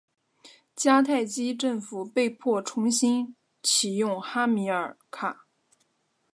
迦太基政府被迫重新起用哈米尔卡。